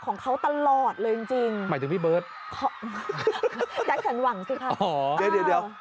ขอฟังหน่อย